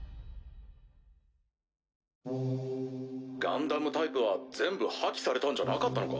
ガンダムタイプは全部破棄されたんじゃなかったのか？